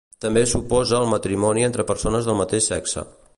També s'oposa al matrimoni entre persones del mateix sexe.